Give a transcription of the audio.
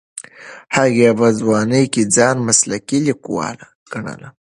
هغې په ځوانۍ کې ځان مسلکي لیکواله ګڼله.